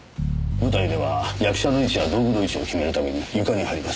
舞台では役者の位置や道具の位置を決めるために床に貼ります。